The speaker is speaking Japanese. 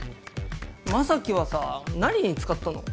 将希はさ何に使ったの？